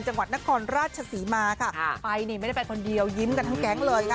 จังหวัดนครราชศรีมาค่ะไปนี่ไม่ได้ไปคนเดียวยิ้มกันทั้งแก๊งเลยค่ะ